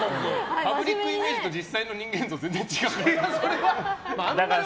パブリックイメージと実際の人間像、全然違う。